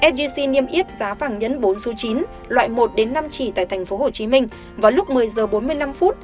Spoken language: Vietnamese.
sgc niêm yết giá vàng nhẫn bốn số chín loại một năm chỉ tại tp hcm vào lúc một mươi giờ bốn mươi năm